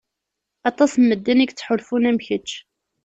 Aṭas n medden i yettḥulfun am kečč.